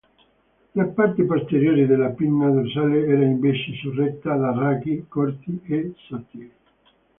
La parte posteriore della pinna dorsale era invece sorretta da raggi corti e sottili.